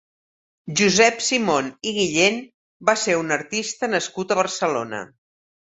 Josep Simont i Guillén va ser un artista nascut a Barcelona.